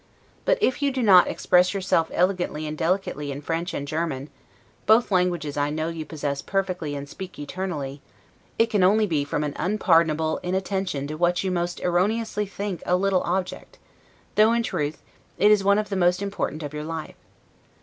But if you do not express yourself elegantly and delicately in French and German, (both which languages I know you possess perfectly and speak eternally) it can be only from an unpardonable inattention to what you most erroneously think a little object, though, in truth, it is one of the most important of your life.